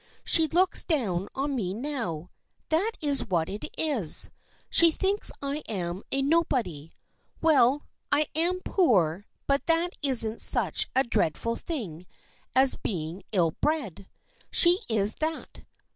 She looks down on me now. That is what it is. She thinks I am a nobody. Well, I am poor, but that isn't such a dreadful thing as being ill bred. She is that.